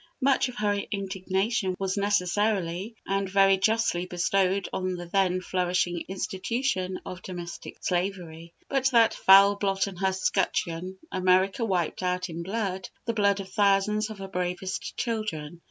Much of her indignation was necessarily, and very justly bestowed on the then flourishing institution of domestic slavery; but that foul blot on her scutcheon America wiped out in blood, the blood of thousands of her bravest children.